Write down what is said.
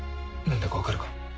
何だか分かるか？